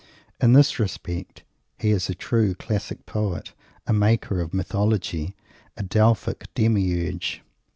In this respect he is a true Classic Poet a Maker of Mythology a Delphic Demiurge.